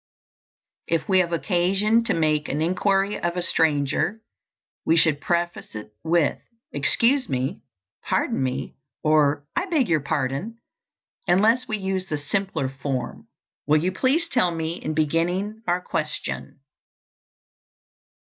If we have occasion to make an inquiry of a stranger, we should preface it with, "Excuse me," "Pardon me," or, "I beg your pardon," unless we use the simpler form, "Will you please tell me," in beginning our question.